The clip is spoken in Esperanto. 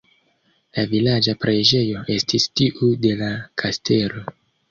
La vilaĝa preĝejo estis tiu de la kastelo.